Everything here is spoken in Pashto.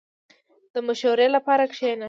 • د مشورې لپاره کښېنه.